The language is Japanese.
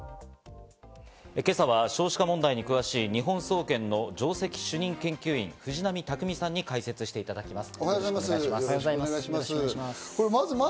今朝は少子化問題に詳しい日本総研の上席主任研究員・藤波匠さんに解説していただきます。